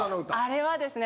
あれはですね。